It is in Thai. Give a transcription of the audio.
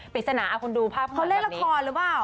ปริศนาเอาคนดูภาพเหมือนแบบนี้เขาเล่นละครหรือเปล่า